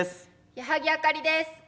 矢作あかりです。